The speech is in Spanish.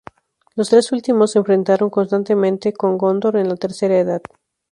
Los tres últimos se enfrentaron constantemente con Gondor en la Tercera Edad.